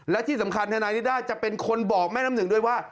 และที่สำคัญธนายนิด้าจะเป็นคนบอกแม่น้ำหนึ่งด้วยว่า